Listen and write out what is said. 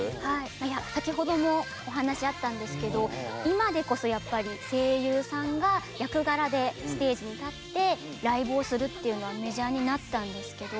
いや先ほどもお話あったんですけど今でこそやっぱり声優さんが役柄でステージに立ってライブをするっていうのはメジャーになったんですけど